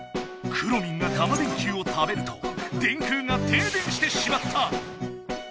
くろミンがタマ電Ｑを食べると電空が停電してしまった！